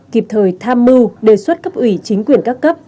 kịp thời tham mưu đề xuất cấp ủy chính quyền các cấp